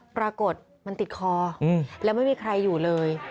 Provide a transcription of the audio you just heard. ปรากฏมันติดคอแล้วไม่มีใครอยู่เลย